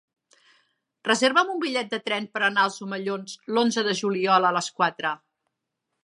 Reserva'm un bitllet de tren per anar als Omellons l'onze de juliol a les quatre.